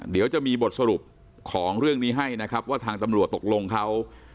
เดี๋ยวจะมีบทสรุปของเรื่องนี้ให้นะครับว่าทางตำรวจตกลงเขา